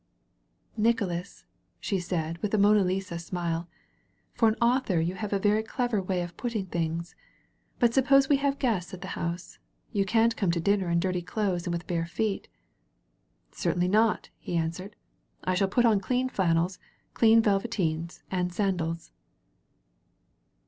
'* "Nicholas," she said, with a Mona Lisa smile, "for an author you have a very clever way of put ting things. But suppose we have guests at the house, you can't come to dinner in dirty clothes and with bare feet." "Certainly not," he answered. "I shall put on clean flannels, clean velveteens, and sandals."